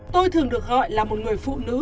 tôi thường được gọi là một người phụ nữ